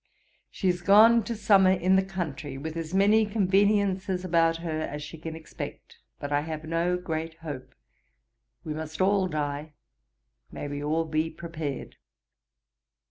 She is gone to summer in the country, with as many conveniences about her as she can expect; but I have no great hope. We must all die: may we all be prepared!